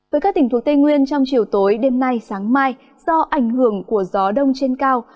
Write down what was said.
với các tỉnh thuộc tây nguyên trong chiều tối đêm nay sáng mai do ảnh hưởng của gió đông trên cao